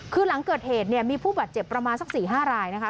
คือหลังเกิดเหตุเนี่ยมีผู้บาดเจ็บประมาณสัก๔๕รายนะคะ